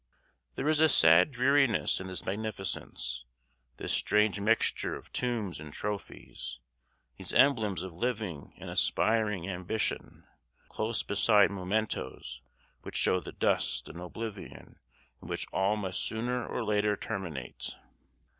There is a sad dreariness in this magnificence, this strange mixture of tombs and trophies, these emblems of living and aspiring ambition, close beside mementos which show the dust and oblivion in which all must sooner or later terminate.